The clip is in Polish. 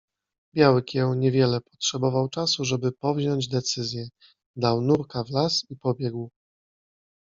Biały kieł niewiele potrzebował czasu, żeby powziąć decyzję. Dał nurka w las i pobiegł